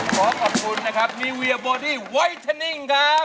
ขอขอบคุณนะครับมีเวียบอดี้ไวเทอร์นิ่งครับ